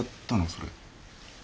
それ。